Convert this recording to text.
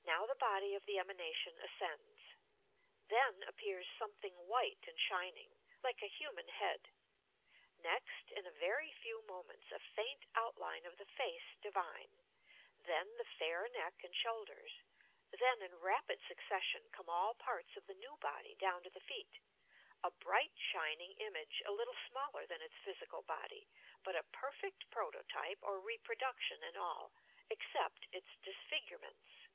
Now the body of the emanatioQ ascends. Then appears Bomething white and shining, lilte a hu man head ; next, in a very few moments a faint outline of the face divine, then the fair neck and shoulders, then in rapid succession come all parts of the new body down to the feet — a bright shining image, a little smaller than its physical body, bnt a perfect prototype or reproduction in all, except its disfigurements.